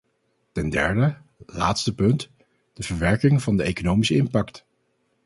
Ten derde, laatste punt, de verwerking van de economische impact.